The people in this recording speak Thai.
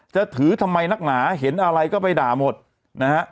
จะถือทำไมนักหนาเห็นอะไรก็ไปด่าหมดนะฮะ